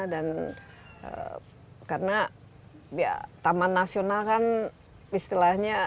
dan karena taman nasional kan istilahnya